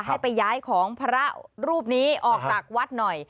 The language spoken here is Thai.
ให้ไปย้ายของพระรูปนี้ออกจากวัดหน่อย